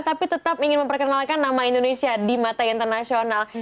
tapi tetap ingin memperkenalkan nama indonesia di mata internasional